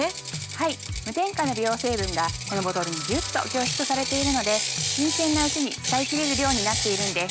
はい無添加の美容成分がこのボトルにギュッと凝縮されているので新鮮なうちに使い切れる量になっているんです。